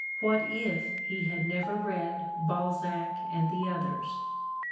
What if he had never read "Balzac and the others"?